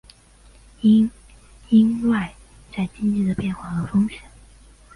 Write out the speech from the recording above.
因应外在经济的变化和风险